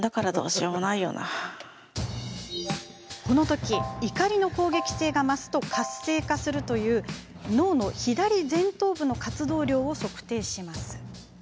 このとき、怒りの攻撃性が増すと活性化するという脳の左前頭部の活動量を測定します。